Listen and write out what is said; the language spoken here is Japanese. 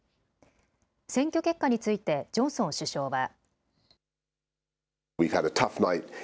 選挙結果についてジョンソン首相は。